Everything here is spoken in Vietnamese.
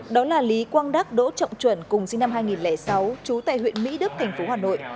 đó là lý quang đắc đỗ trọng chuẩn cùng sinh năm hai nghìn sáu trú tại huyện mỹ đức tp hcm